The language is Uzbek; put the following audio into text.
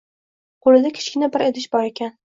Qoʻlida kichkina bir idish bor ekan.